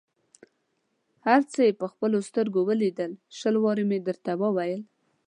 هر څه یې په خپلو سترګو ولیدل، شل وارې مې درته وویل.